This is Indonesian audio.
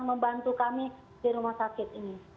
membantu kami di rumah sakit ini